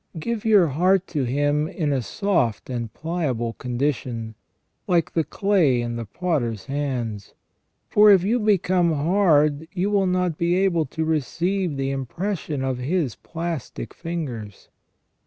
Give your heart to Him in a soft and pliable condition, like the clay in the potter's hands ; for if you become hard, you will not be able to receive the impression of His plastic ■ fingers.